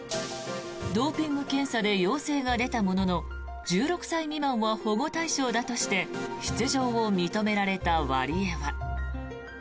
ドーピング検査で陽性が出たものの１６歳未満は保護対象だとして出場を認められたワリエワ。